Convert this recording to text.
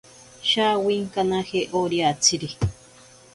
Shawinkanaje oriatsiri.